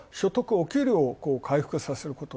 お給料を回復させること。